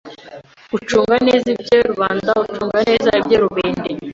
Gucunge neze ibye rubende ucunge neze ibye rubende